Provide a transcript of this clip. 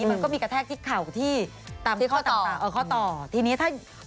มันก็มีกระแทกทิ้งเข่าที่ที่เขาเต่าเออข้อต่อทีนี้ถ้าอยู่ในน้ำเนี่ย